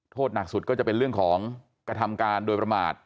หนักสุดก็จะเป็นเรื่องของกระทำการโดยประมาท